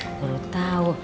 gila gue baru tau